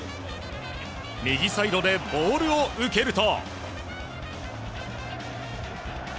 右サイドでボールを受けると。